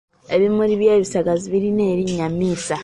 Ebimuli by’ebisagazi birina erinnya misa.